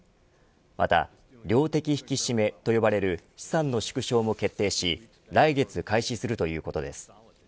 また量的引き締めと呼ばれる資産の縮小も決定し来月開始するということです。